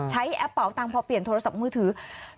แอปเป่าตังค์พอเปลี่ยนโทรศัพท์มือถือ